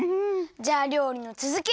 じゃありょうりのつづき！